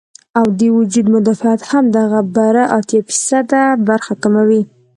او د وجود مدافعت هم دغه بره اتيا فيصده برخه کموي